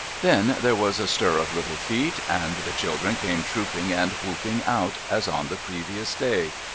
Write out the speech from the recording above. Then there was a stir of litde feet, and the children came trooping and whoo[)ing out, as on the previous day.